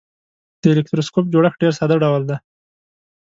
د الکتروسکوپ جوړښت ډیر ساده ډول دی.